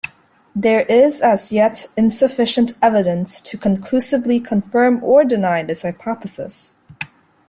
There is as yet insufficient evidence to conclusively confirm or deny this hypothesis.